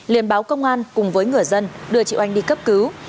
liên báo công an cùng với người dân đưa chị oanh đi cấp cứu